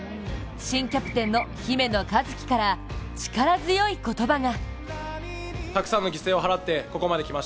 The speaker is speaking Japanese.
新キャプテンの姫野和樹から力強い言葉が。